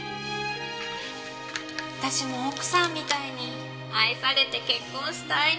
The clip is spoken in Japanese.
私も奥さんみたいに愛されて結婚したいな。